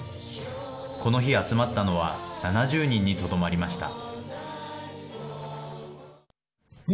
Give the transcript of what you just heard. この日、集まったのは７０人にとどまりました。